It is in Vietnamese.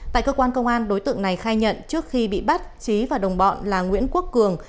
tại cơ quan công an đối tượng này khai nhận trước khi bị bắt trí và đồng bọn là nguyễn quốc cường